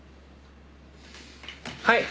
はい。